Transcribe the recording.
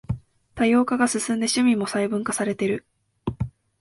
多様化が進んで趣味も細分化されてる